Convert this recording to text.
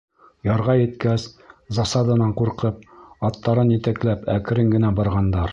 Ярға еткәс, засаданан ҡурҡып, аттарын етәкләп, әкрен генә барғандар.